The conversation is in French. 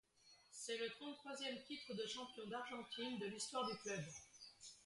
C'est le trente-troisième titre de champion d'Argentine de l'histoire du club.